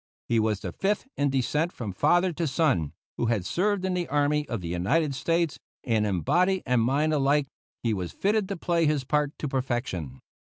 He was the fifth in descent from father to son who had served in the army of the United States, and in body and mind alike he was fitted to play his part to perfection.